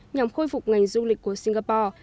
nhằm khôi phục ngành du lịch của singapore